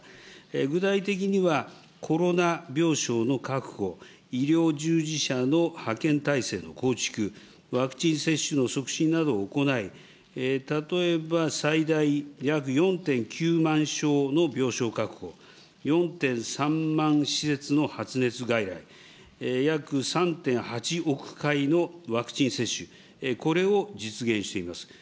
具体的には、コロナ病床の確保、医療従事者の派遣体制の構築、ワクチン接種の促進などを行い、例えば最大約４．９万床の病床確保、４．３万施設の発熱外来、約３．８億回のワクチン接種、これを実現しています。